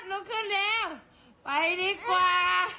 กู๊ดขึ้นแล้วไปดีกว่า